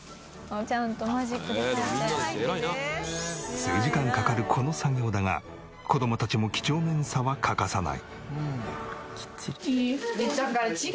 数時間かかるこの作業だが子供たちも几帳面さは欠かさない。